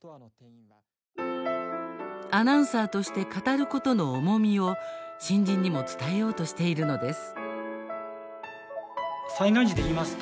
アナウンサーとして語ることの重みを新人にも伝えようとしているのです。